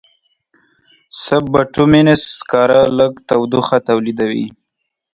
سب بټومینس سکاره لږ تودوخه تولیدوي.